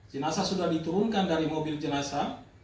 jenasa sudah diturunkan dari mobil jenasa